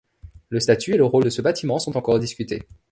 Le statut et le rôle de ce bâtiment sont encore discutés.